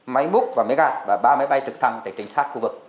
máy múc và máy gạt và ba máy bay trực thăng để tránh sát khu vực